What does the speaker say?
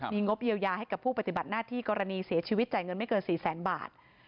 มีงบเยียวยาให้กับผู้ปฏิบัติหน้าที่กรณีเสียชีวิตจ่ายเงินไม่เกิน๔แสนบาท